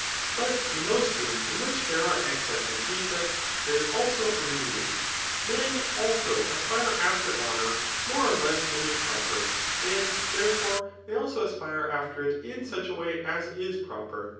But in those things m which there are excess and defect, there is also a medium. Men, also, aspire after honour more or less than is proper ; and, there fore, they also aspire after it in such a way as is proper.